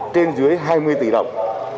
trên dưới hai mươi tỷ đồng